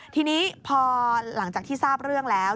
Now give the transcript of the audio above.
ทีนี้พอหลังจากที่ทราบเรื่องแล้ว